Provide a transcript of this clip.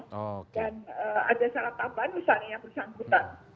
dan ada syarat tambahan misalnya yang bersangkutan